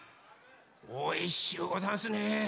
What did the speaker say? おいしゅうござんすね。